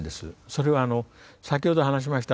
それは先ほど話しました